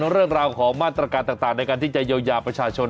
เรื่องราวของมาตรการต่างในการที่จะเยียวยาประชาชน